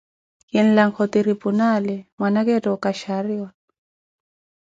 Kinlankha o tiripunaale, mwnaka eetta okashaariwa.